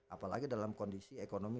apalagi dalam kondisi ekonomi